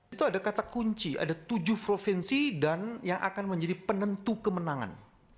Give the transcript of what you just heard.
itu ada kata kunci ada tujuh provinsi dan yang akan menjadi penentu kemenangan